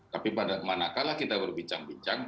tapi pada mana kalah kita berbincang bincang